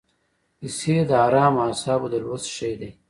کیسې د ارامو اعصابو د لوست شی دی.